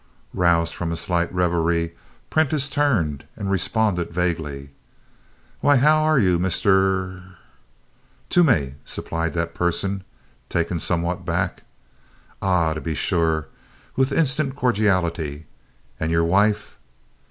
Roused from a slight reverie, Prentiss turned and responded vaguely: "Why, how are you Mr. er " "Toomey," supplied that person, taken somewhat aback. "Ah, to be sure!" with instant cordiality. "And your wife?"